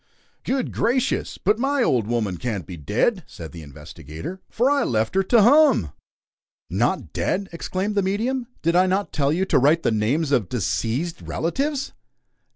"Good gracious! But my old woman can't be dead," said the investigator, "for I left her tu hum!" "Not dead!" exclaimed the medium. "Did I not tell you to write the names of deceazed relatives?"